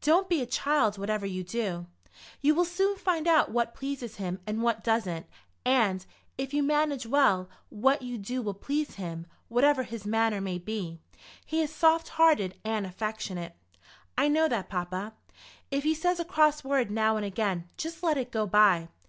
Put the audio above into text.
"Don't be a child, whatever you do. You will soon find out what pleases him and what doesn't, and, if you manage well, what you do will please him. Whatever his manner may be, he is soft hearted and affectionate." "I know that, papa." "If he says a cross word now and again just let it go by.